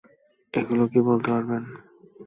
এগুলো কী বলতে পারবেন?